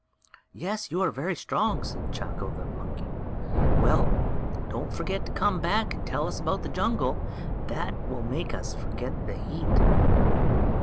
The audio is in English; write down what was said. "Yes, you are very strong," said Chako, the monkey. "Well, don't forget to come back and tell us about the jungle. That will make us forget the heat."